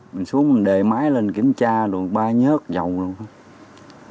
mình xuống mình đề máy lên kiểm tra luôn ba nhớt dầu luôn hết